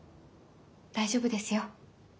大丈夫ですよ。